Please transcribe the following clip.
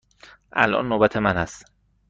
الان نوبت من است.